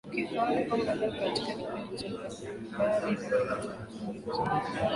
ukifahamu kwamba leo katika kipindi cha habari rafiki tunazungumzia